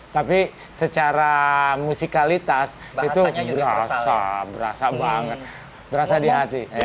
tapi secara musikalitas itu berasa berasa banget berasa di hati